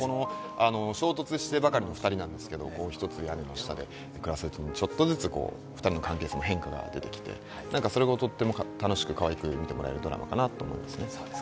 衝突してばかりの２人なんですけど一つ屋根の下で暮らしててちょっとずつ２人の関係性も変化が出てきてそれがとっても楽しくかわいく見てもらえるドラマかなと思います。